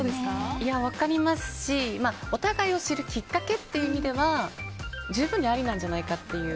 分かりますしお互いを知るきっかけという意味では十分にありなんじゃないかって。